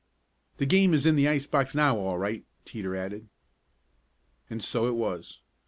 "The game is in the ice box now, all right," Teeter added. And so it was.